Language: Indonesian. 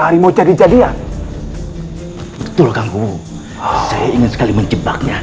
ini mau jadi jadian betul kanku ingin sekali menjebaknya